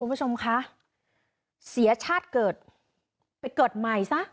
คุณผู้ชมคะเสียชาติเกิดไปเกิดใหม่ซะ